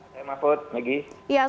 selamat pagi mahfud